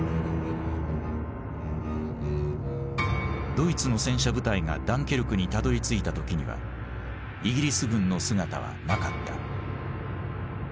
ドイツの戦車部隊がダンケルクにたどりついた時にはイギリス軍の姿はなかった。